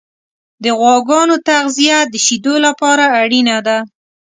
د غواګانو تغذیه د شیدو لپاره اړینه ده.